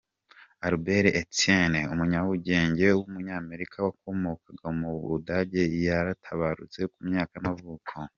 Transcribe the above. Albert Einstein, umunyabugenge w’umunyamerika wakomokaga mu budage yaaratabarutse, ku myaka y’amavuko.